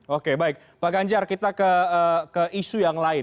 oke baik pak ganjar kita ke isu yang lain